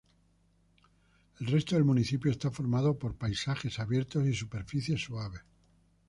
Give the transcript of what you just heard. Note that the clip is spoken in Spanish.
El resto del municipio está formado por paisajes abiertos y superficies suaves.